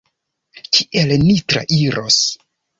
Kiel ni trairos?